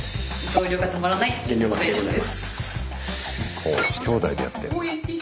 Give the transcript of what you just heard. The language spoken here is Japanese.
ほうきょうだいでやってんの？